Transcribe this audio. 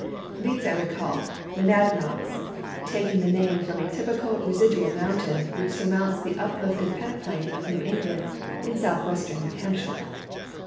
These I would call " monadnocks," taking the name from a t3q:>ical residual mountain which surmounts the uplifted peneplain of New England in southwestern New Hampshire.